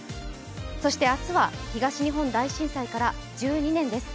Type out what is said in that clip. そして明日は東日本大震災から１２年です。